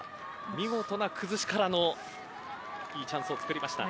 見事な崩しからのいいチャンスを作りました。